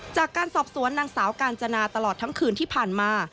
จากการสอบสวนนางสาวกาญจนาตลอดทั้งคืนที่ผ่านมา